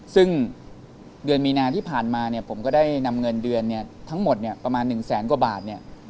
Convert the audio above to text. ซึ่งเดือนมีนาที่ผ่านมาผมก็ได้นำเงินเดือนทั้งหมดประมาณ๑แสนกว่าบาท